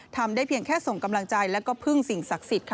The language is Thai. ทำได้เพียงแค่ส่งกำลังใจแล้วก็พึ่งสิ่งศักดิ์สิทธิ์ค่ะ